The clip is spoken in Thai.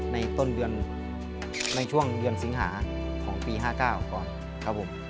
ในต้นเงินในช่วงเงินสิงหาของปี๑๙๕๙เขาครับผม